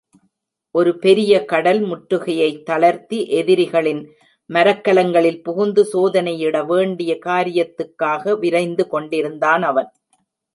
ஒரு பெரிய கடல் முற்றுகையைத் தளர்த்தி எதிரிகளின் மரக்கலங்களில் புகுந்து சோதனையிட வேண்டிய காரியத்துக்காக விரைந்து கொண்டிருந்தான் அவன்.